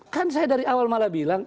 kan saya dari awal malah bilang